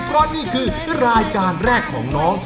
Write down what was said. เพราะนี่คือรายการแรกของน้อง